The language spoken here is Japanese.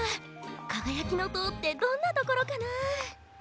「かがやきのとう」ってどんなところかな？